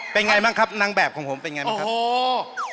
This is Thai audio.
เป็นไงบ้างครับนางแบบของผมเป็นไงบ้างครับ